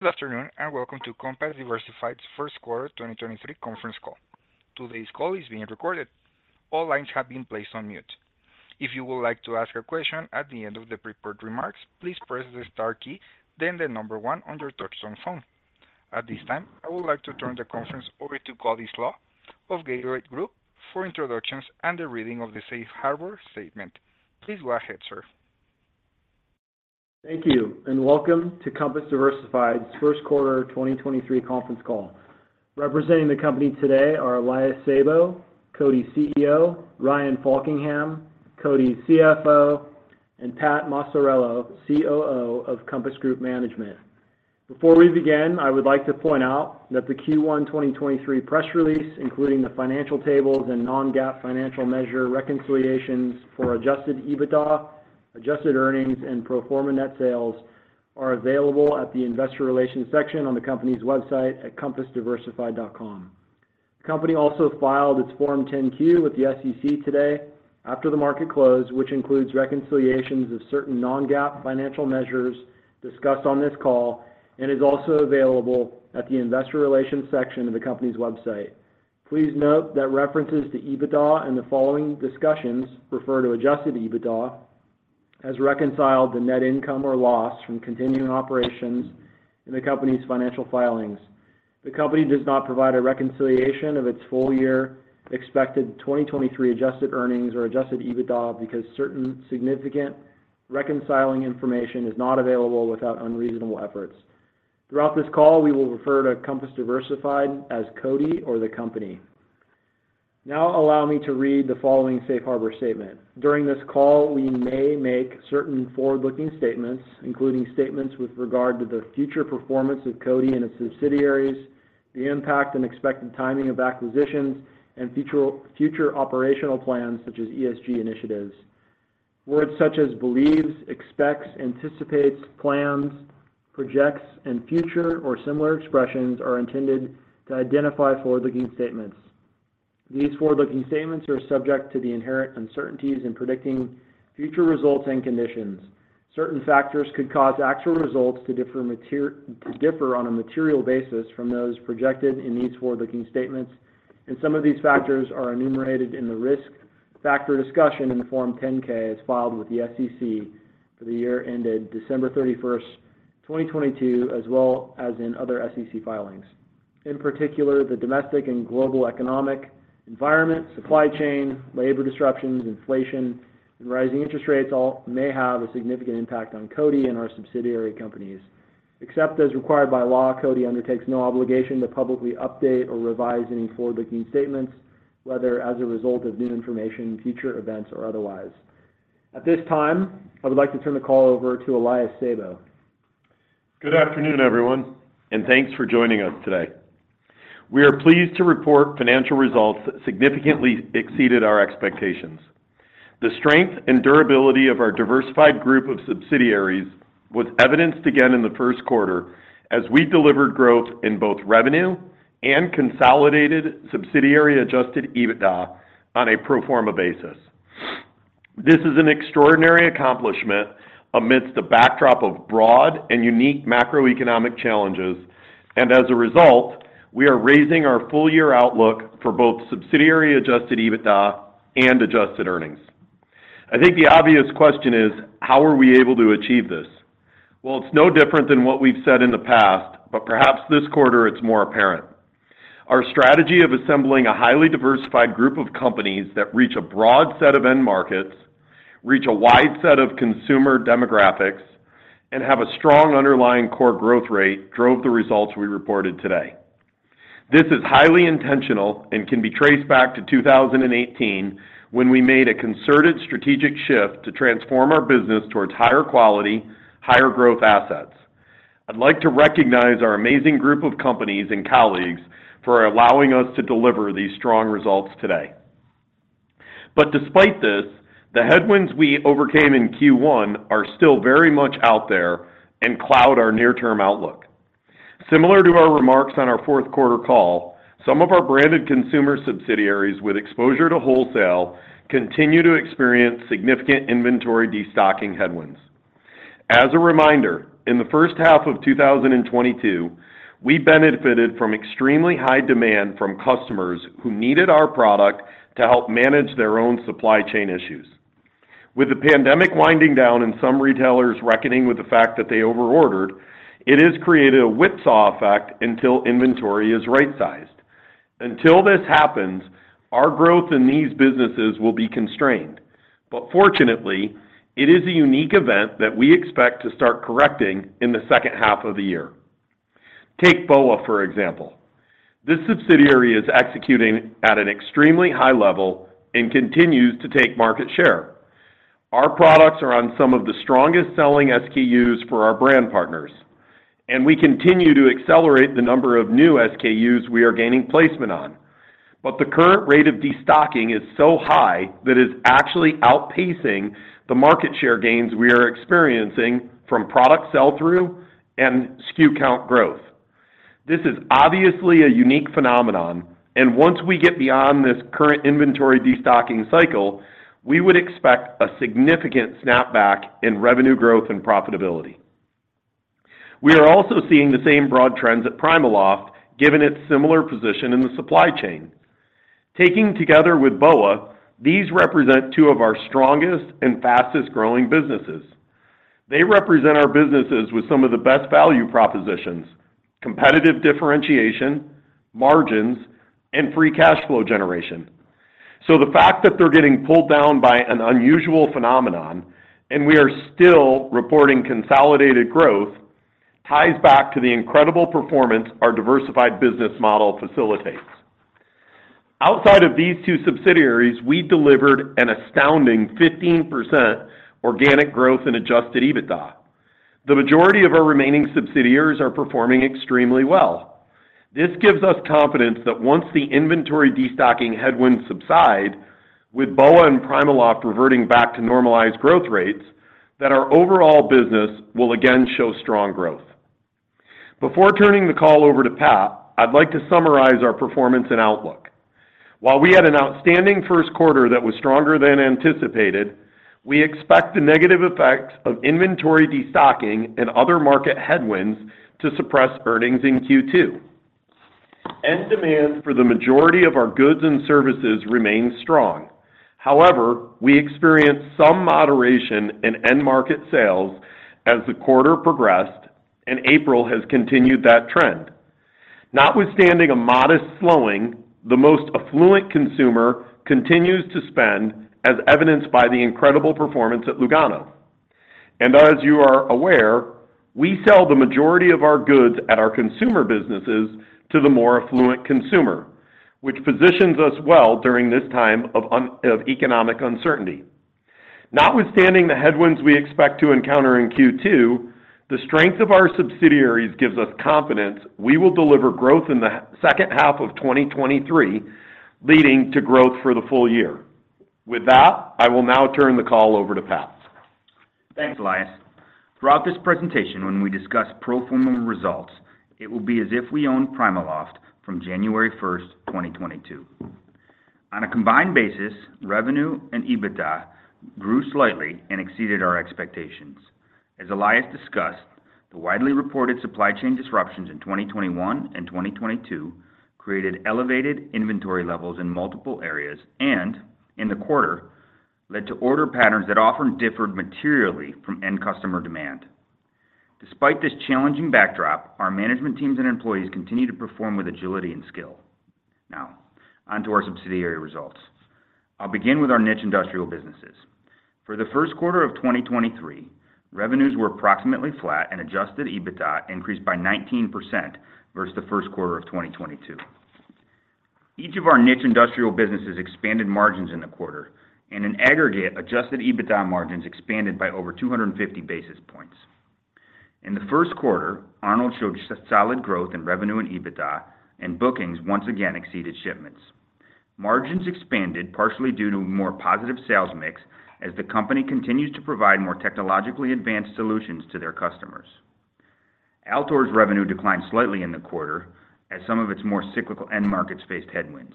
Good afternoon, Welcome to Compass Diversified's First Quarter 2023 Conference Call. Today's call is being recorded. All lines have been placed on mute. If you would like to ask a question at the end of the prepared remarks, please press the star key, then the one on your touchtone phone. At this time, I would like to turn the conference over to Cody Slach of Gateway Group for introductions and the reading of the Safe Harbor statement. Please go ahead, sir. Thank you. Welcome to Compass Diversified's First Quarter 2023 Conference Call. Representing the company today are Elias Sabo, CODI's CEO, Ryan Faulkingham, CODI's CFO, and Pat Massarello, COO of Compass Group Management. Before we begin, I would like to point out that the Q1 2023 press release, including the financial tables and non-GAAP financial measure reconciliations for adjusted EBITDA, adjusted earnings, and pro forma net sales, are available at the investor relations section on the company's website at compassdiversified.com. The company also filed its Form 10-Q with the SEC today after the market closed, which includes reconciliations of certain non-GAAP financial measures discussed on this call, and is also available at the investor relations section of the company's website. Please note that references to EBITDA in the following discussions refer to adjusted EBITDA as reconciled the net income or loss from continuing operations in the company's financial filings. The company does not provide a reconciliation of its full year expected 2023 adjusted earnings or adjusted EBITDA because certain significant reconciling information is not available without unreasonable efforts. Throughout this call, we will refer to Compass Diversified as CODI or the company. Allow me to read the following Safe Harbor statement. During this call, we may make certain forward-looking statements, including statements with regard to the future performance of CODI and its subsidiaries, the impact and expected timing of acquisitions, and future operational plans such as ESG initiatives. Words such as believes, expects, anticipates, plans, projects, and future or similar expressions are intended to identify forward-looking statements. These forward-looking statements are subject to the inherent uncertainties in predicting future results and conditions. Certain factors could cause actual results to differ to differ on a material basis from those projected in these forward-looking statements. Some of these factors are enumerated in the risk factor discussion in the Form 10-K as filed with the SEC for the year ended December 31st, 2022, as well as in other SEC filings. In particular, the domestic and global economic environment, supply chain, labor disruptions, inflation, and rising interest rates all may have a significant impact on CODI and our subsidiary companies. Except as required by law, CODI undertakes no obligation to publicly update or revise any forward-looking statements, whether as a result of new information, future events, or otherwise. At this time, I would like to turn the call over to Elias Sabo. Good afternoon, everyone, thanks for joining us today. We are pleased to report financial results that significantly exceeded our expectations. The strength and durability of our diversified group of subsidiaries was evidenced again in the first quarter as we delivered growth in both revenue and consolidated subsidiary adjusted EBITDA on a pro forma basis. This is an extraordinary accomplishment amidst a backdrop of broad and unique macroeconomic challenges, and as a result, we are raising our full-year outlook for both subsidiary adjusted EBITDA and adjusted earnings. I think the obvious question is: How are we able to achieve this? Well, it's no different than what we've said in the past, but perhaps this quarter it's more apparent. Our strategy of assembling a highly diversified group of companies that reach a broad set of end markets, reach a wide set of consumer demographics, and have a strong underlying core growth rate, drove the results we reported today. This is highly intentional and can be traced back to 2018, when we made a concerted strategic shift to transform our business towards higher quality, higher growth assets. I'd like to recognize our amazing group of companies and colleagues for allowing us to deliver these strong results today. Despite this, the headwinds we overcame in Q1 are still very much out there and cloud our near-term outlook. Similar to our remarks on our fourth quarter call, some of our branded consumer subsidiaries with exposure to wholesale continue to experience significant inventory destocking headwinds. As a reminder, in the first half of 2022, we benefited from extremely high demand from customers who needed our product to help manage their own supply chain issues. With the pandemic winding down and some retailers reckoning with the fact that they overordered, it has created a whipsaw effect until inventory is right-sized. Until this happens, our growth in these businesses will be constrained. Fortunately, it is a unique event that we expect to start correcting in the second half of the year. Take BOA, for example. This subsidiary is executing at an extremely high level and continues to take market share. Our products are on some of the strongest selling SKUs for our brand partners, and we continue to accelerate the number of new SKUs we are gaining placement on. The current rate of destocking is so high that it's actually outpacing the market share gains we are experiencing from product sell-through and SKU count growth. This is obviously a unique phenomenon, and once we get beyond this current inventory destocking cycle, we would expect a significant snapback in revenue growth and profitability. We are also seeing the same broad trends at PrimaLoft, given its similar position in the supply chain. Taking together with BOA, these represent two of our strongest and fastest-growing businesses. They represent our businesses with some of the best value propositions, competitive differentiation, margins, and free cash flow generation. The fact that they're getting pulled down by an unusual phenomenon, and we are still reporting consolidated growth, ties back to the incredible performance our diversified business model facilitates. Outside of these two subsidiaries, we delivered an astounding 15% organic growth in adjusted EBITDA. The majority of our remaining subsidiaries are performing extremely well. This gives us confidence that once the inventory destocking headwinds subside, with BOA and PrimaLoft reverting back to normalized growth rates, that our overall business will again show strong growth. Before turning the call over to Pat, I'd like to summarize our performance and outlook. While we had an outstanding first quarter that was stronger than anticipated, we expect the negative effects of inventory destocking and other market headwinds to suppress earnings in Q2. End demand for the majority of our goods and services remains strong. However, we experienced some moderation in end market sales as the quarter progressed, and April has continued that trend. Notwithstanding a modest slowing, the most affluent consumer continues to spend, as evidenced by the incredible performance at Lugano. As you are aware, we sell the majority of our goods at our consumer businesses to the more affluent consumer, which positions us well during this time of economic uncertainty. Notwithstanding the headwinds we expect to encounter in Q2, the strength of our subsidiaries gives us confidence we will deliver growth in the second half of 2023, leading to growth for the full year. With that, I will now turn the call over to Pat. Thanks, Elias. Throughout this presentation, when we discuss pro forma results, it will be as if we own PrimaLoft from January 1st, 2022. On a combined basis, revenue and EBITDA grew slightly and exceeded our expectations. As Elias discussed, the widely reported supply chain disruptions in 2021 and 2022 created elevated inventory levels in multiple areas and, in the quarter, led to order patterns that often differed materially from end customer demand. Despite this challenging backdrop, our management teams and employees continued to perform with agility and skill. Now, on to our subsidiary results. I'll begin with our niche industrial businesses. For the first quarter of 2023, revenues were approximately flat, and adjusted EBITDA increased by 19% vs the first quarter of 2022. Each of our niche Industrial busineses expanded margins in the quarter, and in aggregate, adjusted EBITDA margins expanded by over 250 basis points. In the first quarter, Arnold showed solid growth in revenue and EBITDA, and bookings once again exceeded shipments. Margins expanded partially due to more positive sales mix, as the company continues to provide more technologically advanced solutions to their customers. Altor's revenue declined slightly in the quarter as some of its more cyclical end markets faced headwinds.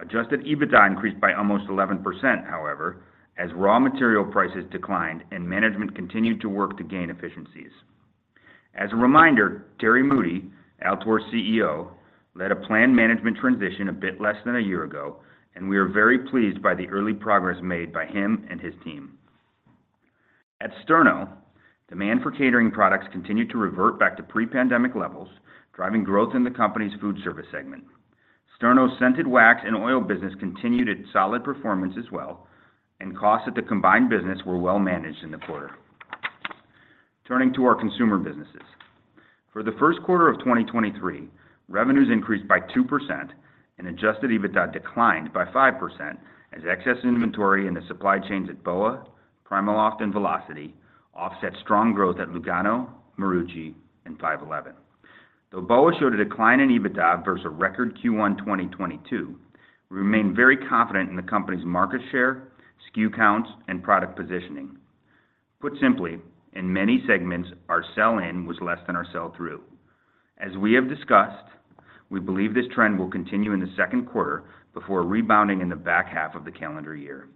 Adjusted EBITDA increased by almost 11%, however, as raw material prices declined and management continued to work to gain efficiencies. As a reminder, Terry Moody, Altor's CEO, led a planned management transition a bit less than a year ago, and we are very pleased by the early progress made by him and his team. At Sterno, demand for catering products continued to revert back to pre-pandemic levels, driving growth in the company's food service segment. Sterno's scented wax and oil business continued its solid performance as well. Costs at the combined business were well managed in the quarter. Turning to our Consumer businesses. For the first quarter of 2023, revenues increased by 2% and adjusted EBITDA declined by 5% as excess inventory in the supply chains at BOA, PrimaLoft, and Velocity Outdoor offset strong growth at Lugano Diamonds, Marucci, and 5.11. Though BOA showed a decline in EBITDA vs a record Q1 2022, we remain very confident in the company's market share, SKU counts, and product positioning. Put simply, in many segments, our sell-in was less than our sell-through. As we have discussed, we believe this trend will continue in the second quarter before rebounding in the back half of the calendar year.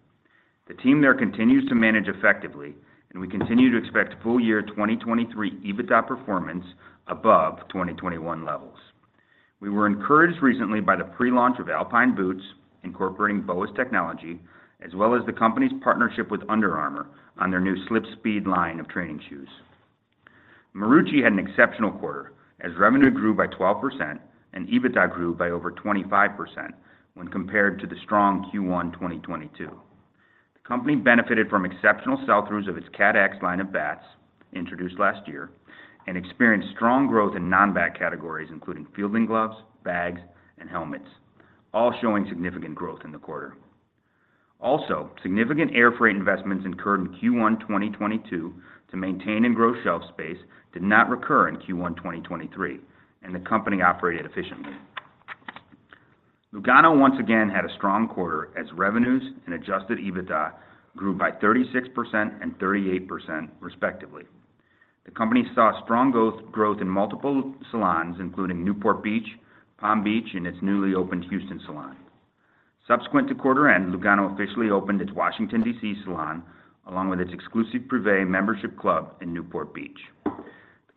The team there continues to manage effectively, and we continue to expect full year 2023 EBITDA performance above 2021 levels. We were encouraged recently by the pre-launch of Alpine Boots, incorporating BOA's Technology, as well as the company's partnership with Under Armour on their new SlipSpeed line of training shoes. Marucci had an exceptional quarter, as revenue grew by 12% and EBITDA grew by over 25% when compared to the strong Q1 2022. The company benefited from exceptional sell-throughs of its CATX line of bats, introduced last year, and experienced strong growth in non-bat categories, including fielding gloves, bags, and helmets, all showing significant growth in the quarter. Also, significant air freight investments incurred in Q1 2022 to maintain and grow shelf space did not recur in Q1 2023, and the company operated efficiently. Lugano once again had a strong quarter as revenues and adjusted EBITDA grew by 36% and 38% respectively. The company saw strong growth, growth in multiple salons, including Newport Beach, Palm Beach, and its newly opened Houston salon. Subsequent to quarter end, Lugano officially opened its Washington, D.C. salon, along with its exclusive Privé membership club in Newport Beach.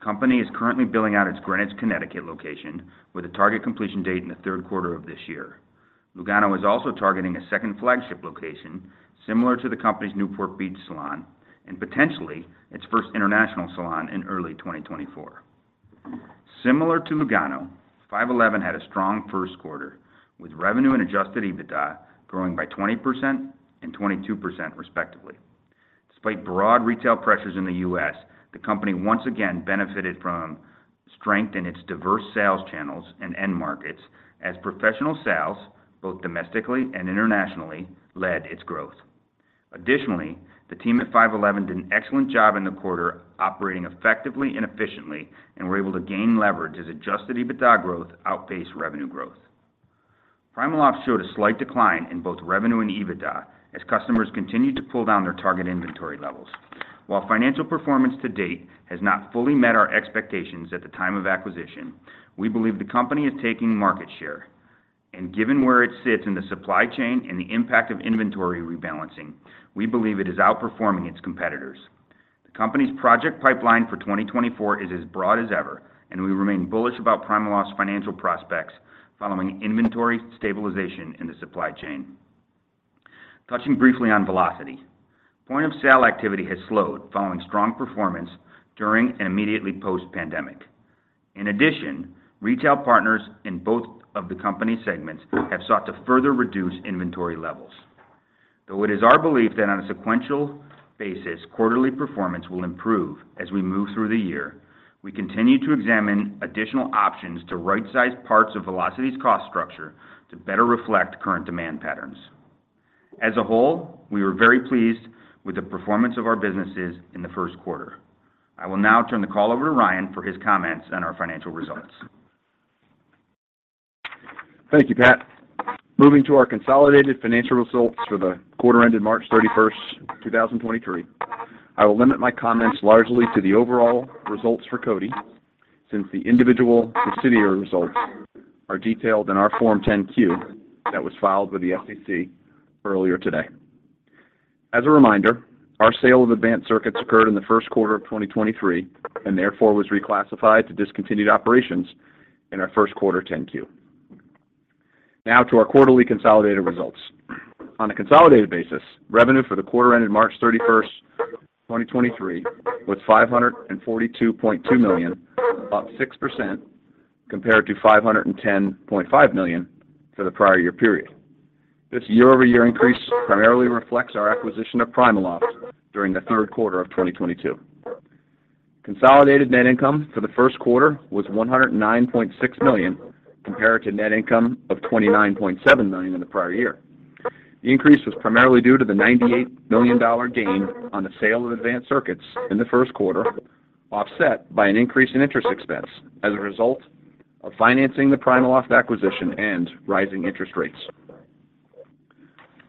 The company is currently building out its Greenwich, Connecticut location, with a target completion date in the third quarter of this year. Lugano is also targeting a second flagship location, similar to the company's Newport Beach salon, and potentially its first international salon in early 2024. Similar to Lugano, 5.11 had a strong first quarter, with revenue and adjusted EBITDA growing by 20% and 22%, respectively. Despite broad retail pressures in the U.S., the company once again benefited from strength in its diverse sales channels and end markets as professional sales, both domestically and internationally, led its growth. Additionally, the team at 5.11 did an excellent job in the quarter, operating effectively and efficiently, and were able to gain leverage as adjusted EBITDA growth outpaced revenue growth. PrimaLoft showed a slight decline in both revenue and EBITDA as customers continued to pull down their target inventory levels. While financial performance to date has not fully met our expectations at the time of acquisition, we believe the company is taking market share, and given where it sits in the supply chain and the impact of inventory rebalancing, we believe it is outperforming its competitors. The company's project pipeline for 2024 is as broad as ever, and we remain bullish about PrimaLoft's financial prospects following inventory stabilization in the supply chain. Touching briefly on Velocity. Point-of-sale activity has slowed following strong performance during and immediately post-pandemic. In addition, retail partners in both of the company segments have sought to further reduce inventory levels. Though it is our belief that on a sequential basis, quarterly performance will improve as we move through the year, we continue to examine additional options to right-size parts of Velocity's cost structure to better reflect current demand patterns. As a whole, we were very pleased with the performance of our businesses in the first quarter. I will now turn the call over to Ryan for his comments on our financial results. Thank you, Pat. Moving to our consolidated financial results for the quarter ended March 31st, 2023, I will limit my comments largely to the overall results for CODI, since the individual subsidiary results are detailed in our Form 10-Q that was filed with the SEC earlier today. As a reminder, our sale of Advanced Circuits occurred in the first quarter of 2023, and therefore was reclassified to discontinued operations in our first quarter 10-Q. Now to our quarterly consolidated results. On a consolidated basis, revenue for the quarter ended March 31st, 2023, was $542.2 million, up 6% compared to $510.5 million for the prior year period. This year-over-year increase primarily reflects our acquisition of PrimaLoft during the third quarter of 2022. Consolidated net income for the first quarter was $109.6 million, compared to net income of $29.7 million in the prior year. The increase was primarily due to the $98 million gain on the sale of Advanced Circuits in the first quarter, offset by an increase in interest expense as a result of financing the PrimaLoft acquisition and rising interest rates.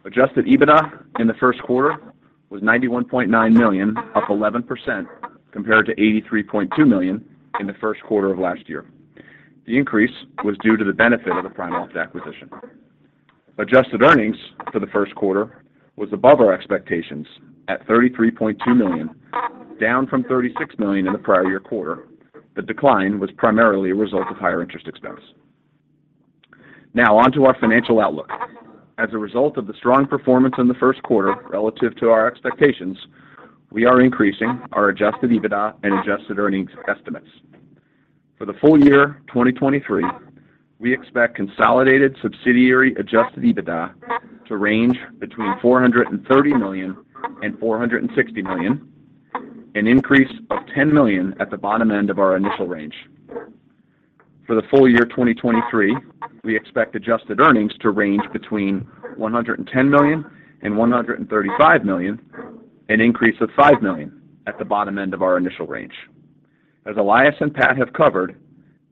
Adjusted EBITDA in the first quarter was $91.9 million, up 11% compared to $83.2 million in the first quarter of last year. The increase was due to the benefit of the PrimaLoft acquisition. Adjusted earnings for the first quarter was above our expectations at $33.2 million, down from $36 million in the prior year quarter. The decline was primarily a result of higher interest expense. Now, on to our financial outlook. As a result of the strong performance in the first quarter relative to our expectations, we are increasing our adjusted EBITDA and adjusted earnings estimates. For the full year 2023, we expect consolidated subsidiary adjusted EBITDA to range between $430 million and $460 million, an increase of $10 million at the bottom end of our initial range. For the full year 2023, we expect adjusted earnings to range between $110 million and $135 million, an increase of $5 million at the bottom end of our initial range. As Elias and Pat have covered,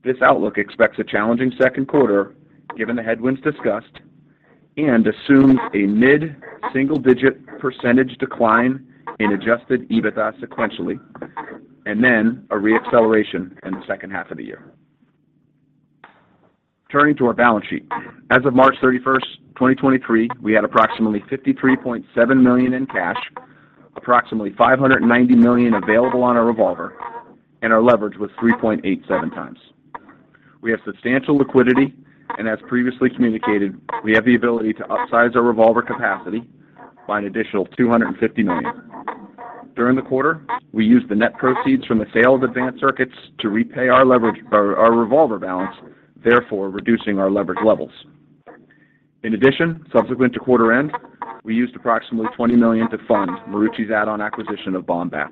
this outlook expects a challenging second quarter, given the headwinds discussed, and assumes a mid-single-digit % decline in adjusted EBITDA sequentially, and then a re-acceleration in the second half of the year. Turning to our balance sheet. As of March 31, 2023, we had approximately $53.7 million in cash, approximately $590 million available on our revolver, and our leverage was 3.87x. We have substantial liquidity, as previously communicated, we have the ability to upsize our revolver capacity by an additional $250 million. During the quarter, we used the net proceeds from the sale of Advanced Circuits to repay our revolver balance, therefore, reducing our leverage levels. In addition, subsequent to quarter end, we used approximately $20 million to fund Marucci's add-on acquisition of Baum Bat.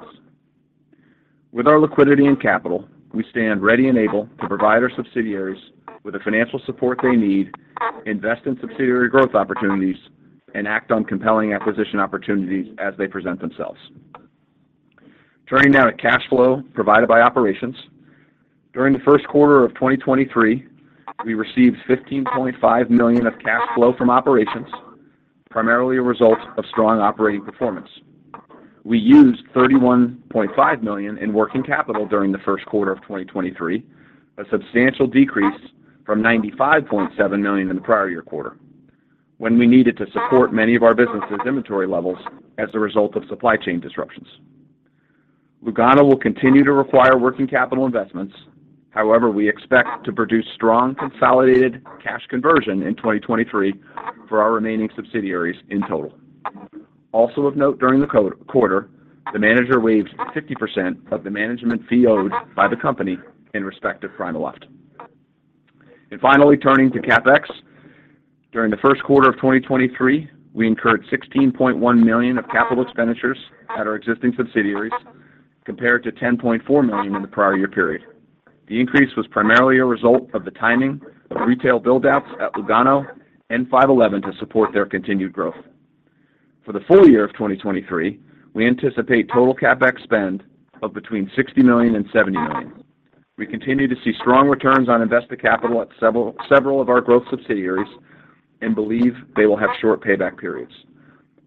With our liquidity and capital, we stand ready and able to provide our subsidiaries with the financial support they need, invest in subsidiary growth opportunities, and act on compelling acquisition opportunities as they present themselves. Turning now to cash flow provided by operations. During the first quarter of 2023, we received $15.5 million of cash flow from operations, primarily a result of strong operating performance. We used $31.5 million in working capital during the first quarter of 2023, a substantial decrease from $95.7 million in the prior year quarter, when we needed to support many of our businesses' inventory levels as a result of supply chain disruptions. Lugano will continue to require working capital investments. However, we expect to produce strong consolidated cash conversion in 2023 for our remaining subsidiaries in total. Also of note, during the quarter, the manager waived 50% of the management fee owed by the company in respect to PrimaLoft. Finally, turning to CapEx. During the first quarter of 2023, we incurred $16.1 million of capital expenditures at our existing subsidiaries, compared to $10.4 million in the prior year period. The increase was primarily a result of the timing of retail build-outs at Lugano and 5.11 to support their continued growth. For the full year of 2023, we anticipate total CapEx spend of between $60 million and $70 million. We continue to see strong returns on invested capital at several, several of our growth subsidiaries and believe they will have short payback periods.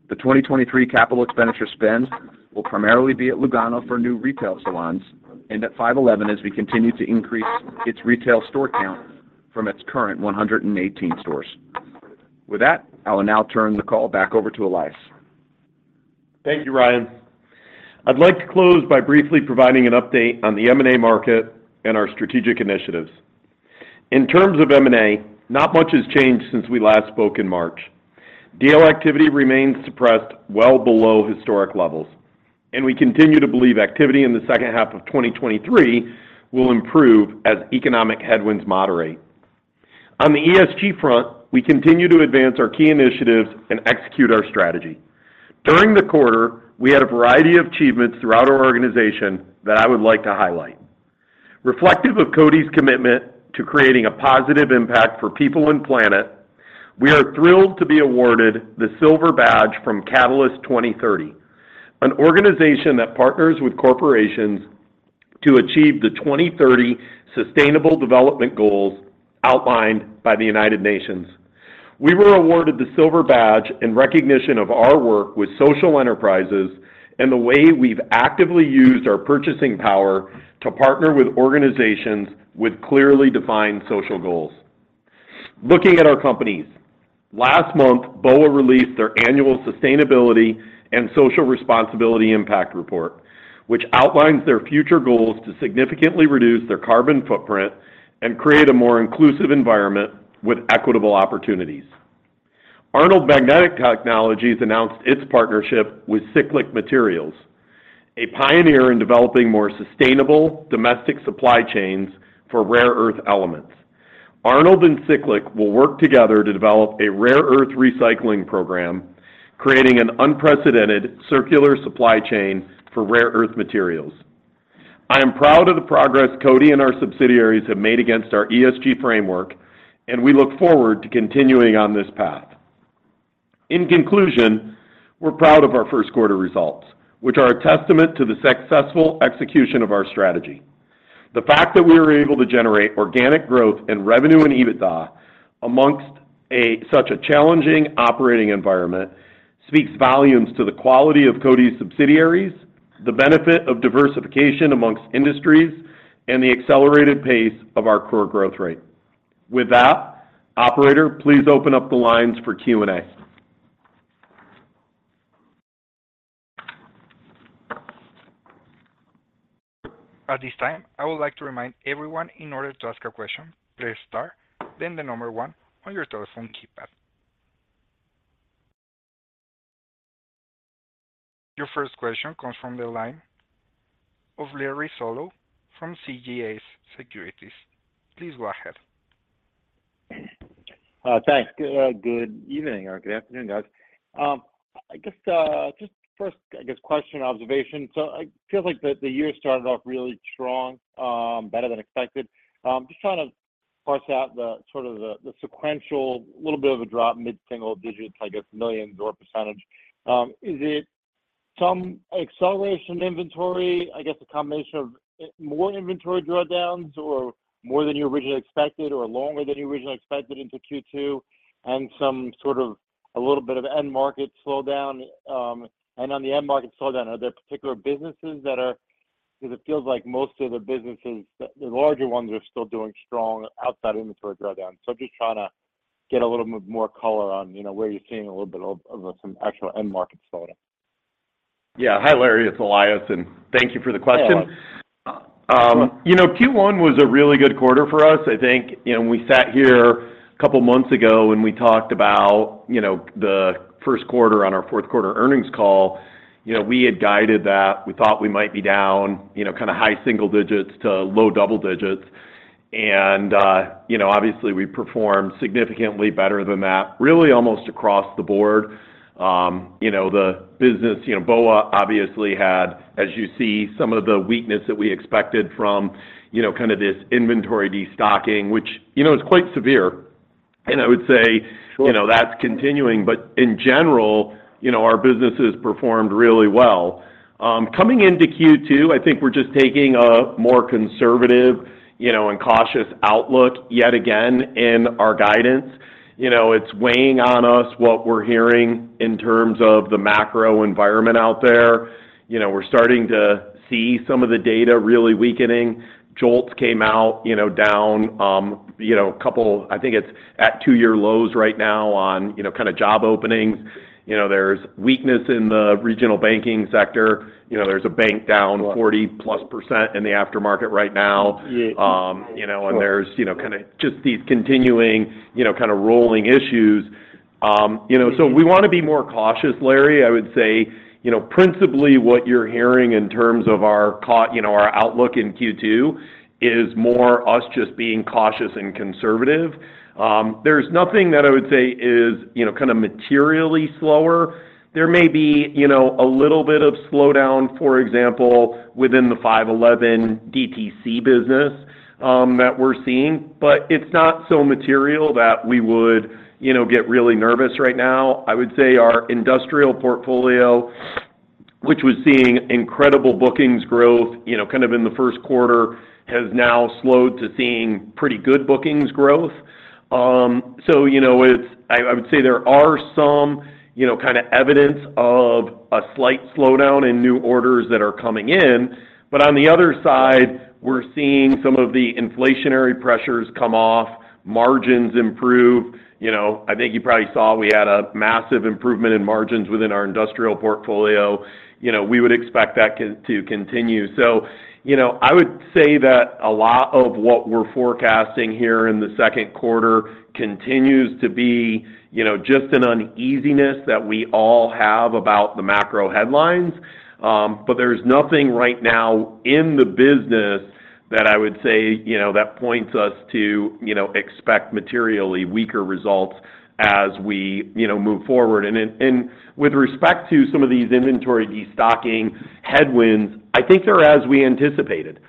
The 2023 capital expenditure spend will primarily be at Lugano for new retail salons and at 5.11 as we continue to increase its retail store count from its current 118 stores. With that, I will now turn the call back over to Elias. Thank you, Ryan. I'd like to close by briefly providing an update on the M&A market and our strategic initiatives. In terms of M&A, not much has changed since we last spoke in March. Deal activity remains suppressed well below historic levels, and we continue to believe activity in the second half of 2023 will improve as economic headwinds moderate. On the ESG front, we continue to advance our key initiatives and execute our strategy. During the quarter, we had a variety of achievements throughout our organization that I would like to highlight. Reflective of CODI's commitment to creating a positive impact for people and planet, we are thrilled to be awarded the Silver Badge from Catalyst 2030, an organization that partners with corporations to achieve the 2030 sustainable development goals outlined by the United Nations. We were awarded the Silver Badge in recognition of our work with social enterprises and the way we've actively used our purchasing power to partner with organizations with clearly defined social goals. Looking at our companies, last month, BOA released their annual Sustainability and Social Responsibility Impact Report, which outlines their future goals to significantly reduce their carbon footprint and create a more inclusive environment with equitable opportunities. Arnold Magnetic Technologies announced its partnership with Cyclic Materials, a pioneer in developing more sustainable domestic supply chains for rare earth elements. Arnold and Cyclic will work together to develop a rare earth recycling program, creating an unprecedented circular supply chain for rare earth materials. I am proud of the progress Cody and our subsidiaries have made against our ESG framework. We look forward to continuing on this path. In conclusion, we're proud of our first quarter results, which are a testament to the successful execution of our strategy. The fact that we were able to generate organic growth in revenue and EBITDA amongst such a challenging operating environment speaks volumes to the quality of CODI's subsidiaries, the benefit of diversification amongst industries, and the accelerated pace of our core growth rate. With that, operator, please open up the lines for Q&A. At this time, I would like to remind everyone, in order to ask a question, press star, then the number one on your telephone keypad. Your first question comes from the line of Larry Solow from CJS Securities. Please go ahead. Thanks. Good, good evening or good afternoon, guys. I guess, just first, I guess, question observation. It feels like the, the year started off really strong, better than expected. Just trying to parse out the sort of the, the sequential, little bit of a drop, mid-single digits, I guess, millions or percentage. Is it some acceleration inventory? I guess, a combination of more inventory drawdowns or more than you originally expected or longer than you originally expected into Q2, and some sort of a little bit of end market slowdown? On the end market slowdown, are there particular businesses that are. Because it feels like most of the businesses, the, the larger ones, are still doing strong outside inventory drawdown. Just trying to get a little more color on, you know, where you're seeing a little bit of some actual end market slowdown. Yeah. Hi, Larry, it's Elias, thank you for the question. Hello. You know, Q1 was a really good quarter for us. I think, you know, we sat here a couple of months ago when we talked about, you know, the first quarter on our fourth quarter earnings call. You know, we had guided that. We thought we might be down, you know, kind of high single digits to low double digits. You know, obviously, we performed significantly better than that, really almost across the board. You know, the business, you know, BOA obviously had, as you see, some of the weakness that we expected from, you know, kind of this inventory destocking, which, you know, is quite severe. I would say, you know, that's continuing, but in general, you know, our business has performed really well. Coming into Q2, I think we're just taking a more conservative, you know, and cautious outlook yet again in our guidance. You know, it's weighing on us what we're hearing in terms of the macro environment out there. You know, we're starting to see some of the data really weakening. JOLTS came out, you know, down, you know, a couple-- I think it's at two-year lows right now on, you know, kind of job openings. You know, there's weakness in the regional banking sector. You know, there's a bank down 40+% in the aftermarket right now. Yeah. you know, and there's, you know, kind of just these continuing, you know, kind of rolling issues. you know, so we want to be more cautious, Larry, I would say, you know, principally what you're hearing in terms of our you know, our outlook in Q2 is more us just being cautious and conservative. there's nothing that I would say is, you know, kind of materially slower. There may be, you know, a little bit of slowdown, for example, within the 5.11 DTC business, that we're seeing, but it's not so material that we would, you know, get really nervous right now. I would say our industrial portfolio, which was seeing incredible bookings growth, you know, kind of in the first quarter, has now slowed to seeing pretty good bookings growth. You know, it's-- I, I would say there are some, you know, kind of evidence of a slight slowdown in new orders that are coming in, but on the other side, we're seeing some of the inflationary pressures come off, margins improve. You know, I think you probably saw we had a massive improvement in margins within our industrial portfolio. You know, we would expect that con-- to continue. You know, I would say that a lot of what we're forecasting here in the second quarter continues to be, you know, just an uneasiness that we all have about the macro headlines. There's nothing right now in the business that I would say, you know, that points us to, you know, expect materially weaker results as we, you know, move forward. With respect to some of these inventory destocking headwinds, I think they're as we anticipated.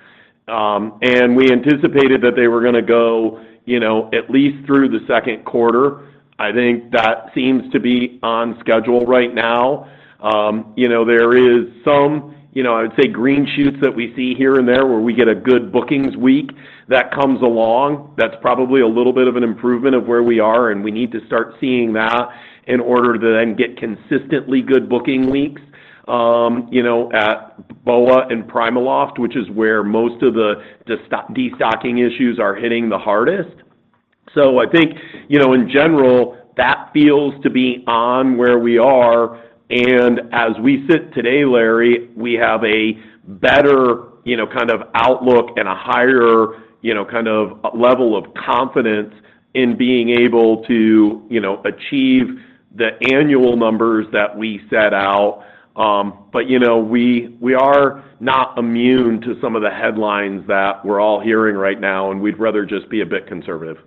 We anticipated that they were gonna go, you know, at least through the second quarter. I think that seems to be on schedule right now. You know, there is some, you know, I would say, green shoots that we see here and there, where we get a good bookings week that comes along. That's probably a little bit of an improvement of where we are, and we need to start seeing that in order to then get consistently good booking weeks, you know, at BOA and PrimaLoft, which is where most of the, the destocking issues are hitting the hardest. I think, you know, in general, that feels to be on where we are, and as we sit today, Larry, we have a better, you know, kind of outlook and a higher, you know, kind of level of confidence in being able to, you know, achieve the annual numbers that we set out. You know, we, we are not immune to some of the headlines that we're all hearing right now, and we'd rather just be a bit conservative.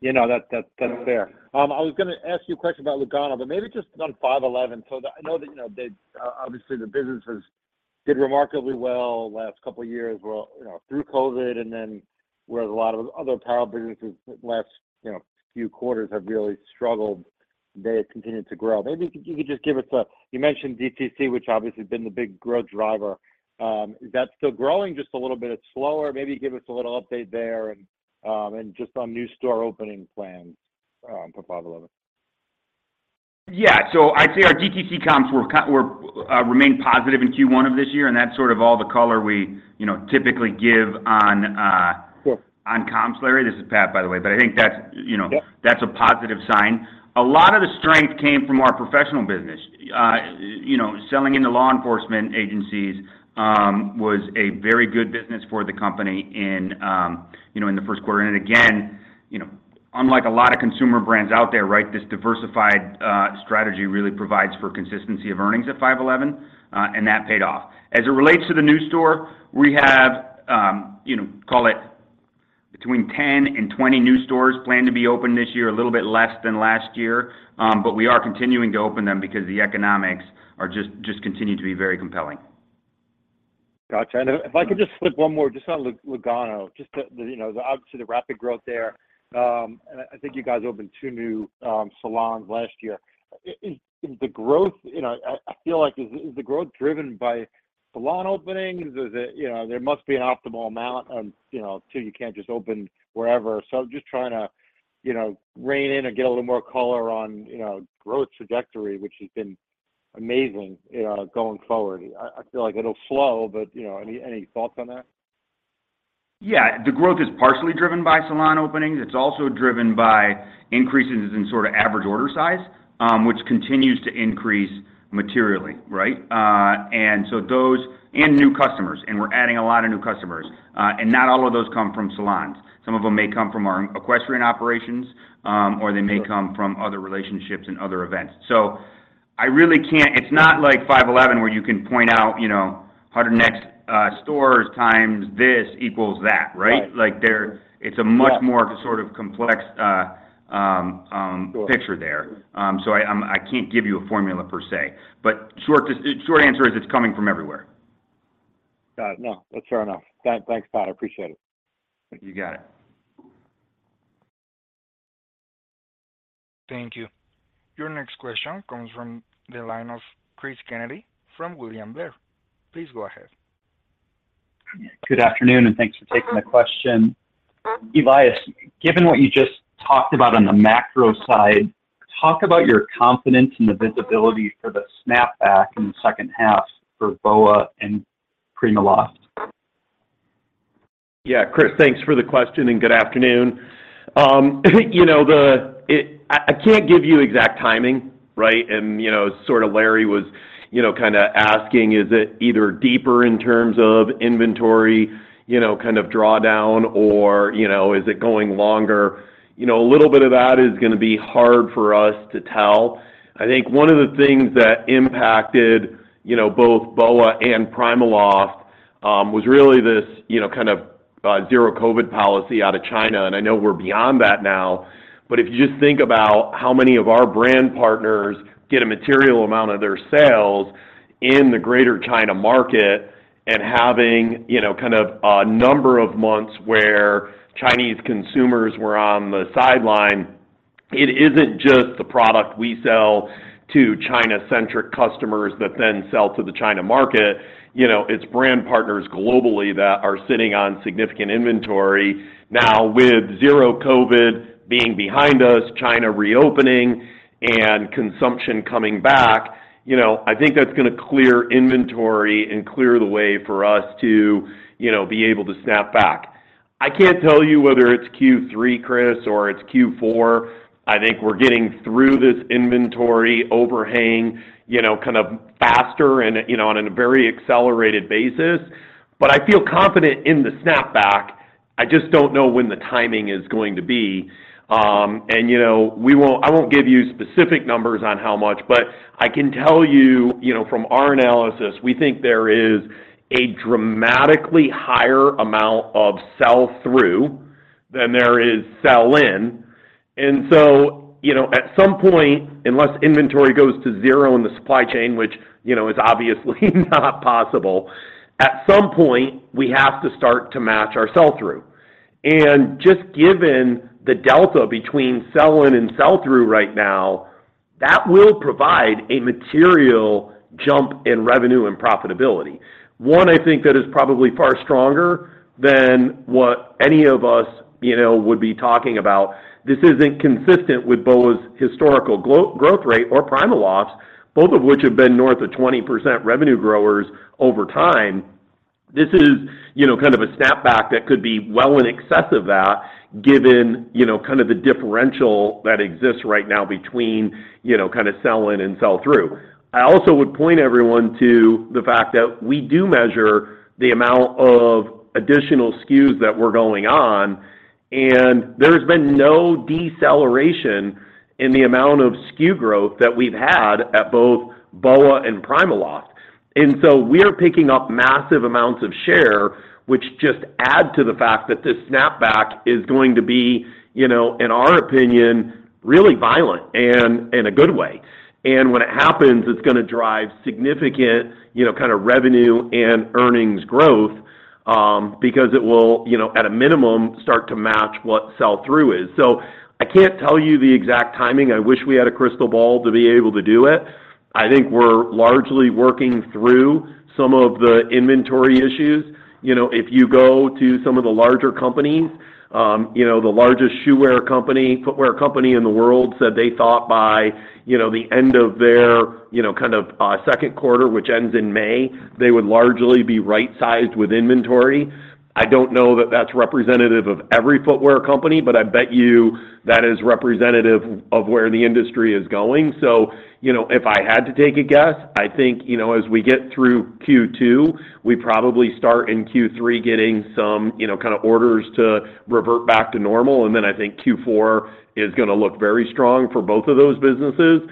You know, that, that, that's fair. I was gonna ask you a question about Lugano, but maybe just on 5.11. I know that, you know, that obviously, the business has did remarkably well last couple of years, well, you know, through COVID, and then, whereas a lot of other apparel businesses last, you know, few quarters have really struggled, they have continued to grow. Maybe you could just give us a. You mentioned DTC, which obviously has been the big growth driver. Is that still growing just a little bit slower? Maybe give us a little update there and just on new store opening plans for 5.11. Yeah. I'd say our DTC comps were remained positive in Q1 of this year, and that's sort of all the color we, you know, typically give on... Sure. On comps, Larry. This is Pat, by the way, but I think that's, you know- Yeah. That's a positive sign. A lot of the strength came from our professional business. you know, selling into law enforcement agencies, was a very good business for the company in, you know, in the first quarter. Again, you know, unlike a lot of consumer brands out there, right, this diversified strategy really provides for consistency of earnings at 5.11, and that paid off. As it relates to the new store, we have, you know, call it between 10 and 20 new stores planned to be open this year, a little bit less than last year, but we are continuing to open them because the economics are just, just continue to be very compelling. Got you. If I could just slip one more, just on Lugano, just to, you know, obviously, the rapid growth there. I think you guys opened two new salons last year. Is the growth, you know, I, I feel like, is the growth driven by salon openings? Is it, you know, there must be an optimal amount of, you know, too, you can't just open wherever. I'm just trying to, you know, rein in or get a little more color on, you know, growth trajectory, which has been amazing, you know, going forward. I, I feel like it'll slow, but, you know, any, any thoughts on that? Yeah. The growth is partially driven by salon openings. It's also driven by increases in sort of average order size, which continues to increase materially, right? So those and new customers, and we're adding a lot of new customers, and not all of those come from salons. Some of them may come from our equestrian operations, or they may come from other relationships and other events. So I really can't. It's not like 5.11, where you can point out, you know, 100 next stores times this equals that, right? Right. Like. Yeah It's a much more sort of complex picture there. Sure. I can't give you a formula per se, but short answer is it's coming from everywhere. Got it. No, that's fair enough. Thank, thanks, Pat. I appreciate it. You got it. Thank you. Your next question comes from the line of Cris Kennedy from William Blair. Please go ahead. Good afternoon. Thanks for taking the question. Elias, given what you just talked about on the macro side, talk about your confidence in the visibility for the snapback in the second half for BOA and PrimaLoft? Yeah, Cris, thanks for the question, and good afternoon. you know, the, I can't give you exact timing, right? you know, sort of Larry was, you know, kinda asking, is it either deeper in terms of inventory, you know, kind of drawdown or, you know, is it going longer? You know, a little bit of that is gonna be hard for us to tell. I think one of the things that impacted, you know, both BOA and PrimaLoft, was really this, you know, kind of, zero-COVID policy out of China, and I know we're beyond that now. If you just think about how many of our brand partners get a material amount of their sales in the greater China market, and having, you know, kind of a number of months where Chinese consumers were on the sideline, it isn't just the product we sell to China-centric customers that then sell to the China market. You know, it's brand partners globally that are sitting on significant inventory. With zero-COVID being behind us, China reopening, and consumption coming back, you know, I think that's gonna clear inventory and clear the way for us to, you know, be able to snap back. I can't tell you whether it's Q3, Cris, or it's Q4. I think we're getting through this inventory overhang, you know, kind of faster and, you know, on a very accelerated basis. I feel confident in the snapback. I just don't know when the timing is going to be. You know, we won't... I won't give you specific numbers on how much, but I can tell you, you know, from our analysis, we think there is a dramatically higher amount of sell-through than there is sell-in. You know, at some point, unless inventory goes to zero in the supply chain, which, you know, is obviously not possible, at some point, we have to start to match our sell-through. Just given the delta between sell-in and sell-through right now, that will provide a material jump in revenue and profitability. One, I think that is probably far stronger than what any of us, you know, would be talking about. This isn't consistent with BOA's historical growth rate or PrimaLoft's, both of which have been north of 20% revenue growers over time. This is, you know, kind of a snapback that could be well in excess of that, given, you know, kind of the differential that exists right now between, you know, kinda sell-in and sell-through. I also would point everyone to the fact that we do measure the amount of additional SKUs that we're going on. There has been no deceleration in the amount of SKU growth that we've had at both BOA and PrimaLoft. So we're picking up massive amounts of share, which just add to the fact that this snapback is gonna be, you know, in our opinion, really violent and in a good way. When it happens, it's gonna drive significant, you know, kind of revenue and earnings growth because it will, you know, at a minimum, start to match what sell-through is. I can't tell you the exact timing. I wish we had a crystal ball to be able to do it. I think we're largely working through some of the inventory issues. You know, if you go to some of the larger companies, you know, the largest shoe wear company, footwear company in the world said they thought by, you know, the end of their, you know, kind of, second quarter, which ends in May, they would largely be right-sized with inventory. I don't know that that's representative of every footwear company, but I bet you that is representative of where the industry is going. You know, if I had to take a guess, I think, you know, as we get through Q2, we probably start in Q3 getting some, you know, kind of orders to revert back to normal, and then I think Q4 is gonna look very strong for both of those businesses.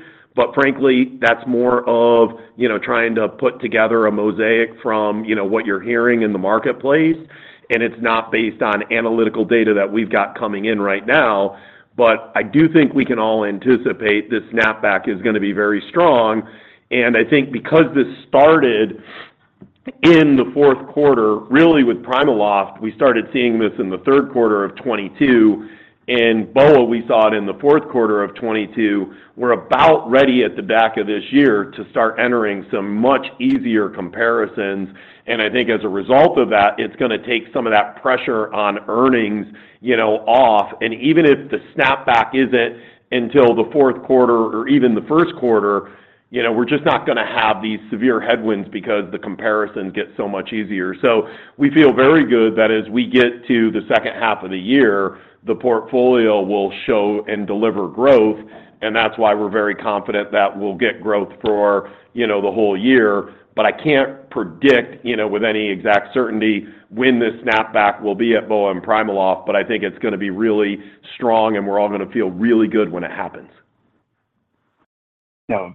Frankly, that's more of, you know, trying to put together a mosaic from, you know, what you're hearing in the marketplace, and it's not based on analytical data that we've got coming in right now. I do think we can all anticipate this snapback is gonna be very strong. I think because this started in the fourth quarter, really with PrimaLoft, we started seeing this in the third quarter of 2022, and BOA, we saw it in the fourth quarter of 2022. We're about ready at the back of this year to start entering some much easier comparisons, and I think as a result of that, it's gonna take some of that pressure on earnings, you know, off. Even if the snapback isn't until the fourth quarter or even the first quarter, you know, we're just not gonna have these severe headwinds because the comparison gets so much easier. We feel very good that as we get to the second half of the year, the portfolio will show and deliver growth, and that's why we're very confident that we'll get growth for, you know, the whole year. I can't predict, you know, with any exact certainty when this snapback will be at BOA and PrimaLoft, but I think it's gonna be really strong, and we're all gonna feel really good when it happens. Yeah.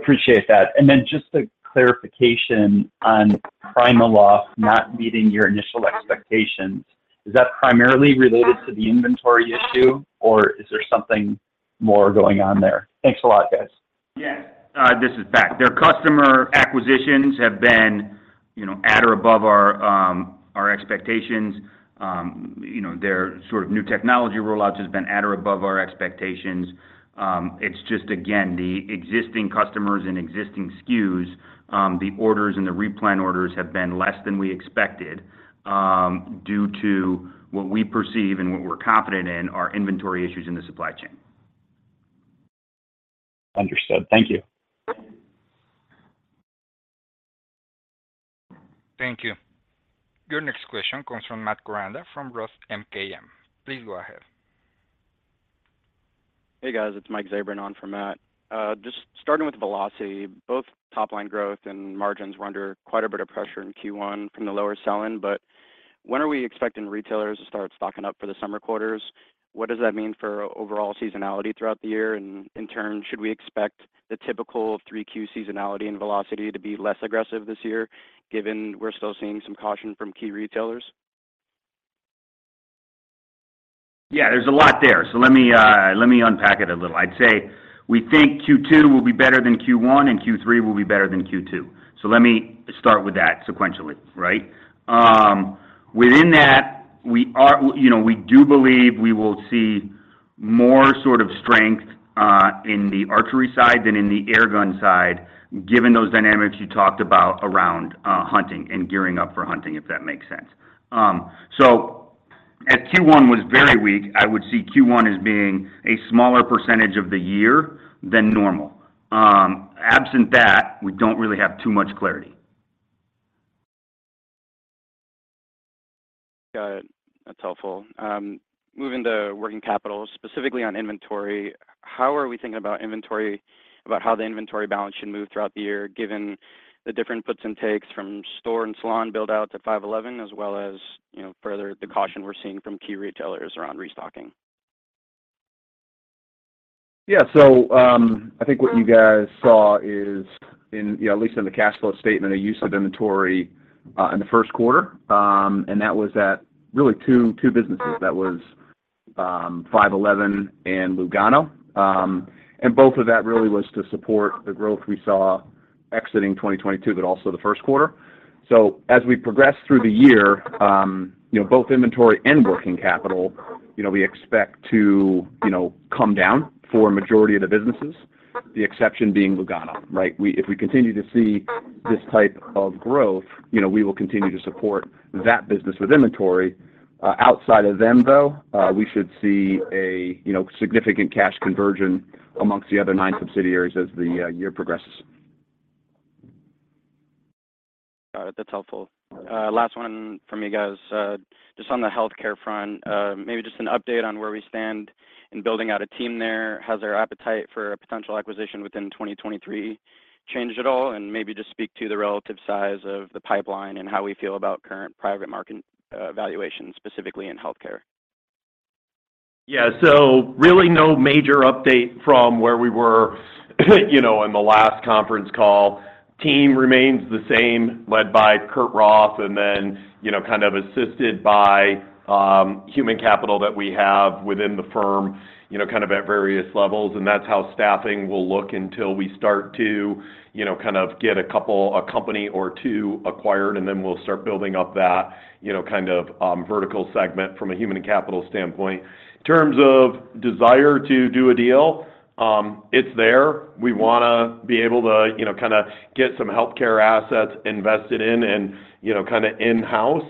Appreciate that. Then just a clarification on PrimaLoft not meeting your initial expectations. Is that primarily related to the inventory issue, or is there something-?... more going on there. Thanks a lot, guys. Yeah. This is Pat. Their customer acquisitions have been, you know, at or above our expectations. You know, their sort of new technology rollouts has been at or above our expectations. It's just, again, the existing customers and existing SKUs, the orders and the replan orders have been less than we expected, due to what we perceive and what we're confident in, are inventory issues in the supply chain. Understood. Thank you. Thank you. Your next question comes from Matt Koranda, from ROTH MKM. Please go ahead. Hey, guys, it's Mike Zabran on for Matt. Just starting with Velocity, both top-line growth and margins were under quite a bit of pressure in Q1 from the lower selling. When are we expecting retailers to start stocking up for the summer quarters? What does that mean for overall seasonality throughout the year? In turn, should we expect the typical 3Q seasonality and Velocity to be less aggressive this year, given we're still seeing some caution from key retailers? Yeah, there's a lot there, so let me, let me unpack it a little. I'd say we think Q2 will be better than Q1, and Q3 will be better than Q2. Let me start with that sequentially, right? Within that, you know, we do believe we will see more sort of strength in the archery side than in the airgun side, given those dynamics you talked about around hunting and gearing up for hunting, if that makes sense. As Q1 was very weak, I would see Q1 as being a smaller % of the year than normal. Absent that, we don't really have too much clarity. Got it. That's helpful. Moving to working capital, specifically on inventory, how are we thinking about inventory about how the inventory balance should move throughout the year, given the different puts and takes from store and salon build-out to 5.11, as well as, you know, further the caution we're seeing from key retailers around restocking? Yeah. So, I think what you guys saw is in... Yeah, at least in the cash flow statement, a use of inventory in the first quarter, and that was at really two, two businesses. That was 5.11 and Lugano. Both of that really was to support the growth we saw exiting 2022, but also the first quarter. As we progress through the year, you know, both inventory and working capital, you know, we expect to, you know, come down for a majority of the businesses. The exception being Lugano, right? If we continue to see this type of growth, you know, we will continue to support that business with inventory. Outside of them, though, we should see a, you know, significant cash conversion amongst the other nine subsidiaries as the year progresses. Got it. That's helpful. Last one from you guys. Just on the healthcare front, maybe just an update on where we stand in building out a team there. Has their appetite for a potential acquisition within 2023 changed at all? Maybe just speak to the relative size of the pipeline and how we feel about current private market, valuations, specifically in healthcare. Yeah. Really no major update from where we were, you know, on the last conference call. Team remains the same, led by Kurt Roth, and then, you know, kind of assisted by human capital that we have within the firm, you know, kind of at various levels, and that's how staffing will look until we start to, you know, kind of get a couple-- a company or two acquired, and then we'll start building up that, you know, kind of vertical segment from a human capital standpoint. In terms of desire to do a deal, it's there. We wanna be able to, you know, kinda get some healthcare assets invested in and, you know, kinda in-house.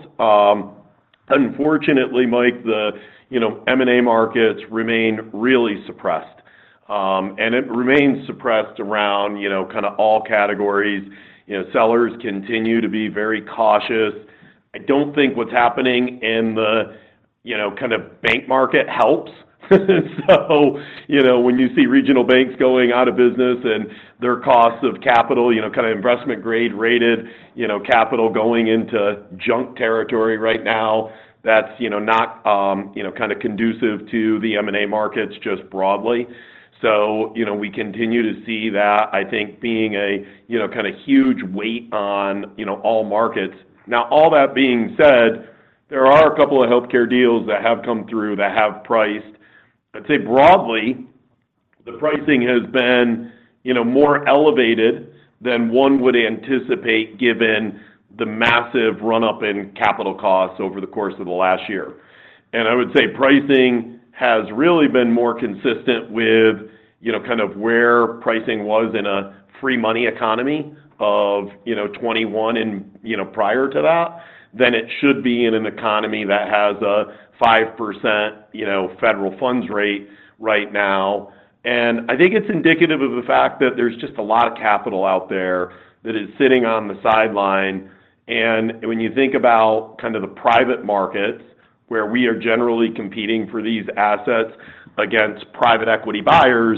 Unfortunately, Mike, the, you know, M&A markets remain really suppressed, and it remains suppressed around, you know, kinda all categories. You know, sellers continue to be very cautious. I don't think what's happening in the, you know, kind of bank market helps. You know, when you see regional banks going out of business and their costs of capital, you know, kinda investment grade-rated, you know, capital going into junk territory right now, that's, you know, not, you know, kinda conducive to the M&A markets just broadly. You know, we continue to see that, I think, being a, you know, kinda huge weight on, you know, all markets. Now, all that being said, there are a couple of healthcare deals that have come through that have priced. I'd say broadly, the pricing has been, you know, more elevated than one would anticipate, given the massive run-up in capital costs over the course of the last year. I would say pricing has really been more consistent with, you know, kind of where pricing was in a free money economy of, you know, 21 and, you know, prior to that, than it should be in an economy that has a 5%, you know, federal funds rate right now. I think it's indicative of the fact that there's just a lot of capital out there that is sitting on the sideline. When you think about kind of the private markets, where we are generally competing for these assets against private equity buyers,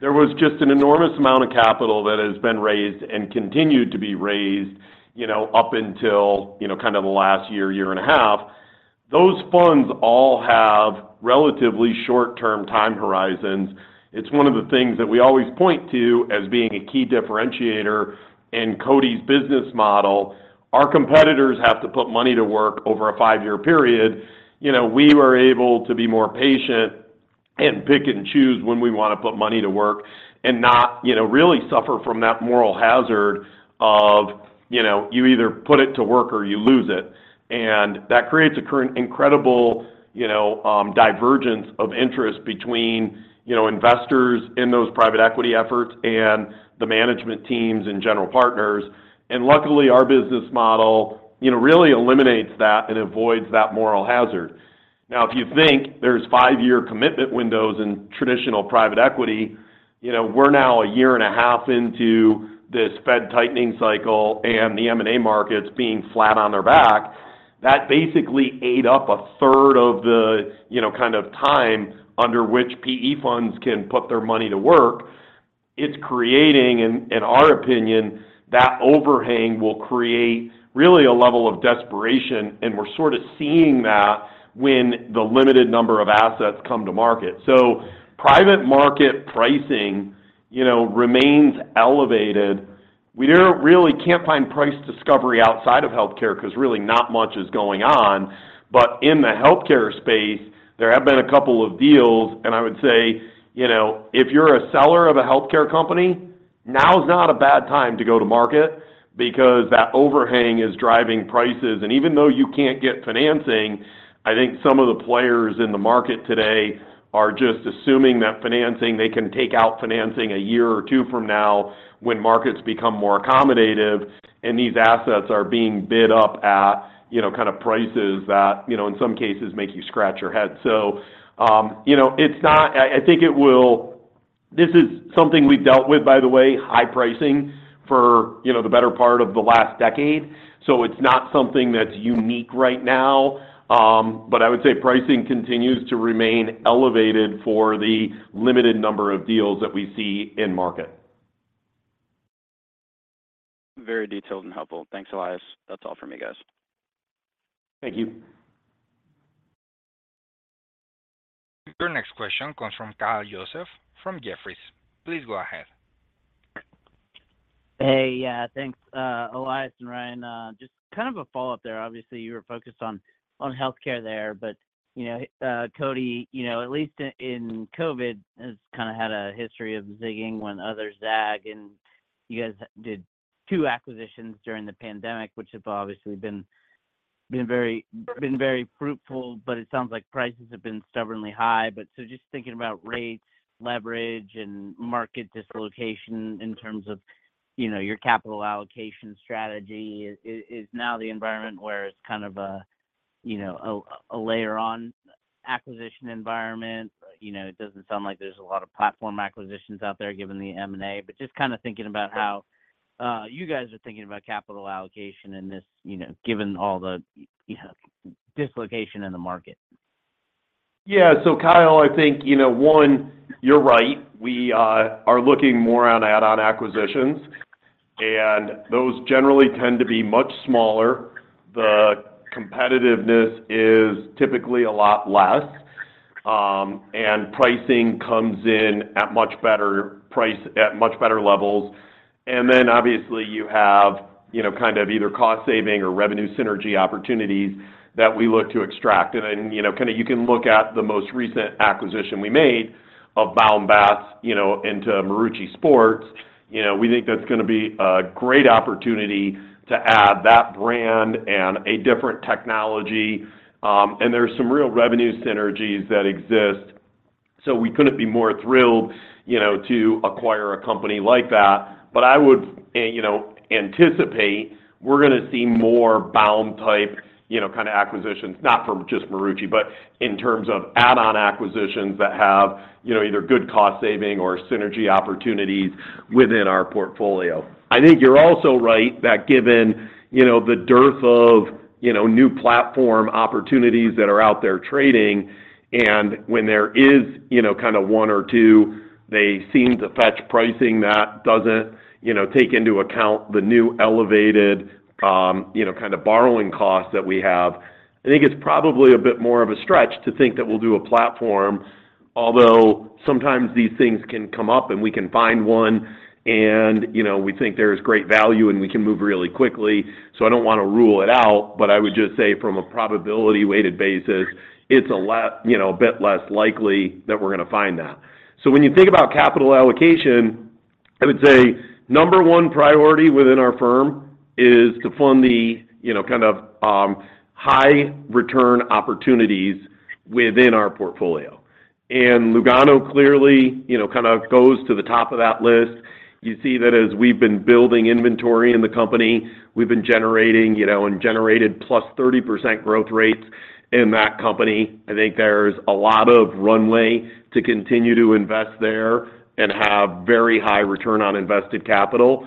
there was just an enormous amount of capital that has been raised and continued to be raised, you know, up until, you know, kind of the last year, year and a half. Those funds all have relatively short-term time horizons. It's one of the things that we always point to as being a key differentiator in CODI's business model. Our competitors have to put money to work over a five-year period. You know, we were able to be more patient, and pick and choose when we want to put money to work and not, you know, really suffer from that moral hazard of, you know, you either put it to work or you lose it. That creates an incredible, you know, divergence of interest between, you know, investors in those private equity efforts and the management teams and general partners. Luckily, our business model, you know, really eliminates that and avoids that moral hazard. Now, if you think there's five-year commitment windows in traditional private equity, you know, we're now a year and a half years into this Fed tightening cycle and the M&A markets being flat on their back, that basically ate up a third of the, you know, kind of time under which PE funds can put their money to work. It's creating, in, in our opinion, that overhang will create really a level of desperation, and we're sort of seeing that when the limited number of assets come to market. Private market pricing, you know, remains elevated. We really can't find price discovery outside of healthcare because really not much is going on. In the healthcare space, there have been a couple of deals, and I would say, you know, if you're a seller of a healthcare company, now is not a bad time to go to market because that overhang is driving prices. Even though you can't get financing, I think some of the players in the market today are just assuming that financing, they can take out financing a year or two from now when markets become more accommodative, and these assets are being bid up at, you know, kind of prices that, you know, in some cases make you scratch your head. You know, it's not... I, I think it will. This is something we've dealt with, by the way, high pricing for, you know, the better part of the last decade. It's not something that's unique right now, but I would say pricing continues to remain elevated for the limited number of deals that we see in market. Very detailed and helpful. Thanks, Elias. That's all from me, guys. Thank you. Your next question comes from Kyle Joseph from Jefferies. Please go ahead. Hey, yeah, thanks, Elias and Ryan. Just kind of a follow-up there. Obviously, you were focused on healthcare there, but, you know, Cody, you know, at least in COVID, has kind of had a history of zigging when others zag, and you guys did two acquisitions during the pandemic, which have obviously been very, been very fruitful, but it sounds like prices have been stubbornly high. Just thinking about rates, leverage, and market dislocation in terms of, you know, your capital allocation strategy, is now the environment where it's kind of a, you know, a layer on acquisition environment? You know, it doesn't sound like there's a lot of platform acquisitions out there given the M&A, but just kind of thinking about how you guys are thinking about capital allocation in this, you know, given all the, you know, dislocation in the market. Yeah. Kyle, I think, you know, one, you're right. We are looking more on add-on acquisitions, and those generally tend to be much smaller. The competitiveness is typically a lot less, and pricing comes in at much better price, at much better levels. Then obviously, you have, you know, kind of either cost saving or revenue synergy opportunities that we look to extract. And, you know, kind of you can look at the most recent acquisition we made of Baum Bat, you know, into Marucci Sports. You know, we think that's going to be a great opportunity to add that brand and a different technology, and there's some real revenue synergies that exist. We couldn't be more thrilled, you know, to acquire a company like that. I would, you know, anticipate we're gonna see more Baum-type, you know, kind of acquisitions, not from just Marucci, but in terms of add-on acquisitions that have, you know, either good cost saving or synergy opportunities within our portfolio. I think you're also right that given, you know, the dearth of, you know, new platform opportunities that are out there trading, and when there is, you know, kind of one or two, they seem to fetch pricing that doesn't, you know, take into account the new elevated, you know, kind of borrowing costs that we have. I think it's probably a bit more of a stretch to think that we'll do a platform, although sometimes these things can come up, and we can find one and, you know, we think there is great value, and we can move really quickly. I don't want to rule it out, but I would just say from a probability weighted basis, it's a less, you know, a bit less likely that we're going to find that. When you think about capital allocation, I would say number one priority within our firm is to fund the, you know, kind of, high return opportunities within our portfolio. Lugano, clearly, you know, kind of goes to the top of that list. You see that as we've been building inventory in the company, we've been generating, you know, and generated +30% growth rates in that company. I think there's a lot of runway to continue to invest there and have very high return on invested capital.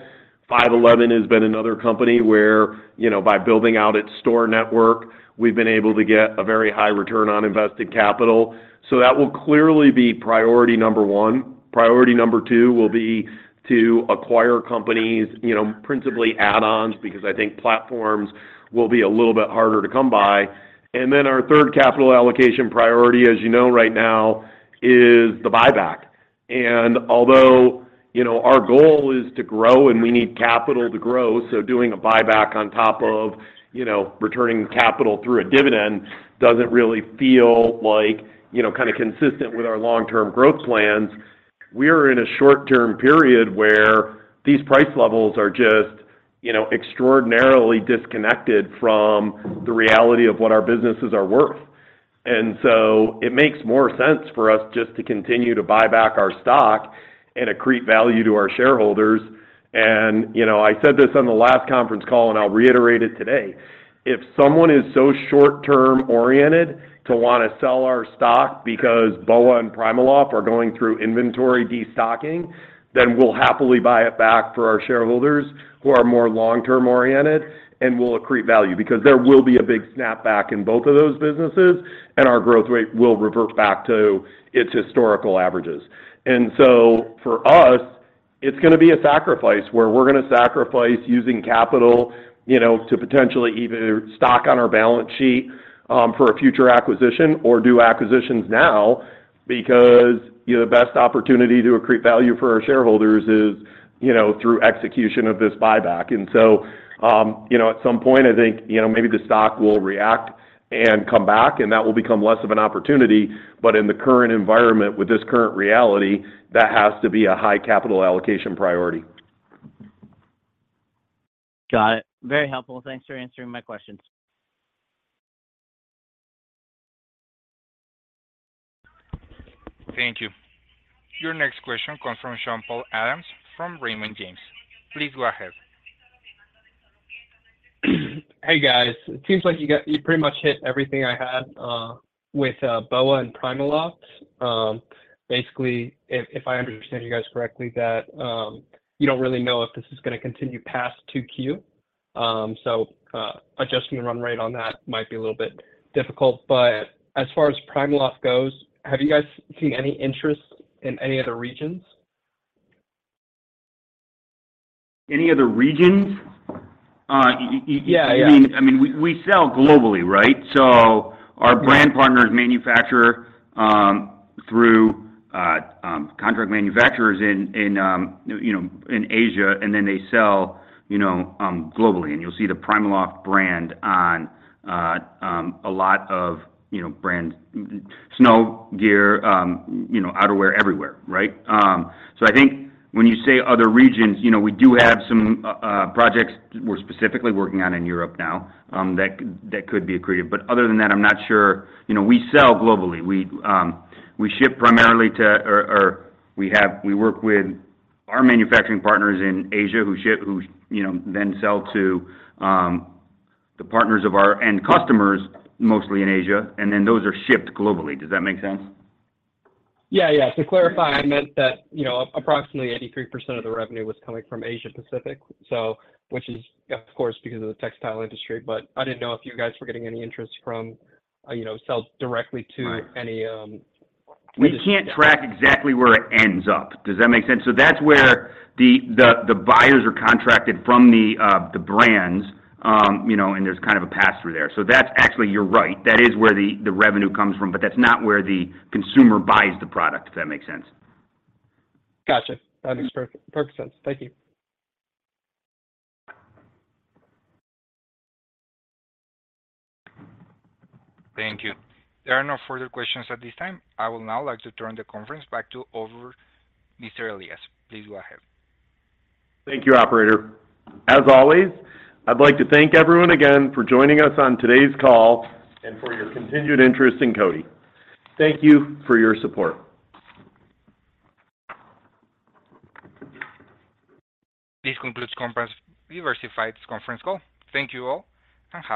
5.11 has been another company where, you know, by building out its store network, we've been able to get a very high return on invested capital. That will clearly be priority number one. Priority number two will be to acquire companies, you know, principally add-ons, because I think platforms will be a little bit harder to come by. Then our third capital allocation priority, as you know right now, is the buyback. Although, you know, our goal is to grow and we need capital to grow, so doing a buyback on top of, you know, returning capital through a dividend doesn't really feel like, you know, kind of consistent with our long-term growth plans. We are in a short-term period where these price levels are just, you know, extraordinarily disconnected from the reality of what our businesses are worth. It makes more sense for us just to continue to buy back our stock and accrete value to our shareholders. You know, I said this on the last conference call, and I'll reiterate it today: If someone is so short-term oriented to want to sell our stock because BOA and PrimaLoft are going through inventory destocking, then we'll happily buy it back for our shareholders who are more long-term oriented, and we'll accrete value. Because there will be a big snapback in both of those businesses, and our growth rate will revert back to its historical averages. So for us, it's gonna be a sacrifice where we're gonna sacrifice using capital, you know, to potentially either stock on our balance sheet, for a future acquisition or do acquisitions now, because, you know, the best opportunity to accrete value for our shareholders is, you know, through execution of this buyback. So, you know, at some point, I think, you know, maybe the stock will react and come back, and that will become less of an opportunity. In the current environment, with this current reality, that has to be a high capital allocation priority. Got it. Very helpful. Thanks for answering my questions. Thank you. Your next question comes from Sean-Paul Adams from Raymond James. Please go ahead. Hey, guys. It seems like you pretty much hit everything I had with BOA and PrimaLoft. Basically, if, if I understand you guys correctly, that, you don't really know if this is gonna continue past 2Q. Adjusting the run rate on that might be a little bit difficult. As far as PrimaLoft goes, have you guys seen any interest in any other regions? Any other regions? Yeah, yeah. I mean, I mean, we, we sell globally, right? Our brand partners manufacture through contract manufacturers in, you know, in Asia, and then they sell, you know, globally, and you'll see the PrimaLoft brand on a lot of, you know, brand snow gear, you know, outerwear everywhere, right? I think when you say other regions, you know, we do have some projects we're specifically working on in Europe now that could, that could be accretive. Other than that, I'm not sure. You know, we sell globally. We ship primarily to... We work with our manufacturing partners in Asia, who ship, who, you know, then sell to the partners and customers, mostly in Asia, and then those are shipped globally. Does that make sense? Yeah, yeah. To clarify, I meant that, you know, approximately 83% of the revenue was coming from Asia Pacific, so which is, of course, because of the textile industry, but I didn't know if you guys were getting any interest from, you know, sell directly to- Right... any. We can't track exactly where it ends up. Does that make sense? That's where the, the, the buyers are contracted from the brands, you know, and there's kind of a pass-through there. That's actually, you're right, that is where the, the revenue comes from, but that's not where the consumer buys the product, if that makes sense. Gotcha. That makes perfect, perfect sense. Thank you. Thank you. There are no further questions at this time. I will now like to turn the conference back to over Mr. Elias. Please go ahead. Thank you, operator. As always, I'd like to thank everyone again for joining us on today's call and for your continued interest in CODI. Thank you for your support. This concludes Diversified's Conference Call. Thank you all, and have a-